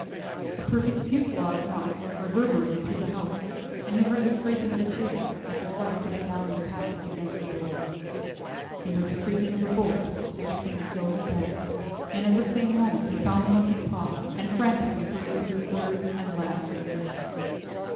A perfect fusillade of knocks reverberated through the house, and he heard the scraping of a chair as his wife put it down in the passage against the door. He heard the creaking of the bolt as it came slowly back, and at the same moment he found the monkey's paw, and frantically breathed his third and last wish.